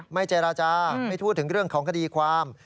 ไม่เจรจาไม่พูดถึงเรื่องของคดีความ